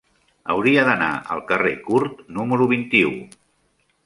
Hauria d'anar al carrer Curt número vint-i-u.